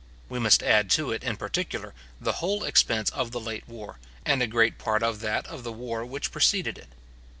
We must add to it, in particular, the whole expense of the late war, and a great part of that of the war which preceded it.